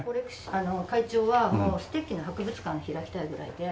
会長はもうステッキの博物館を開きたいぐらいで。